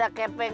aku akan menang